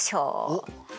おっ。